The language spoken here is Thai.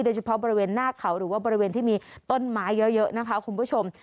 โดยเฉพาะบริเวณหน้าเขาหรือว่าบริเวณที่มีต้นไม้เยอะนะคะคุณผู้ชม